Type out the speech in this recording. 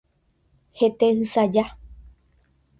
Hete ysaja.